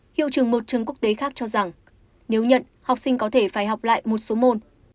hiệu trường một trường quốc tế khác cho rằng nếu nhận học sinh có thể phải học lại một số môn